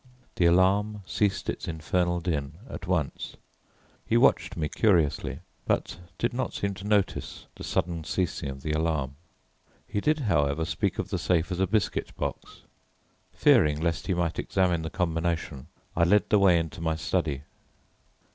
The alarm ceased its infernal din at once. He watched me curiously, but did not seem to notice the sudden ceasing of the alarm. He did, however, speak of the safe as a biscuit box. Fearing lest he might examine the combination I led the way into my study.